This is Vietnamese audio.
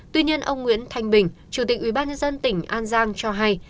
tuy nhiên ông nguyễn thanh bình chủ tịch ubnd tỉnh an giang cho hay